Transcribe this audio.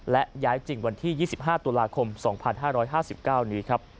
และย้ายจริงวันที่๒๕ตุลาคม๒๕๕๙นี้ครับ